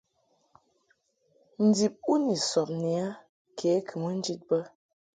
Ndib u ni sɔbni a ke kɨ mɨ njid bə.